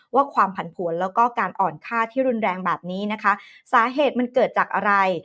ว่าความผันผวนแล้วก็การอ่อนค่าที่รุนแรงแบบนี้นะคะสาเหตุมันเกิดจากอะไร